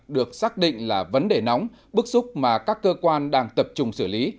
được xác định là vấn đề nóng bức xúc mà các cơ quan đang tập trung xử lý